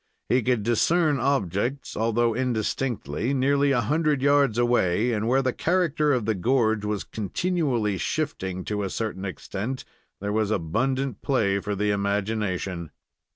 He could discern objects, although indistinctly, nearly a hundred yards away, and where the character of the gorge was continually shifting to a certain extent there was abundant play for the imagination.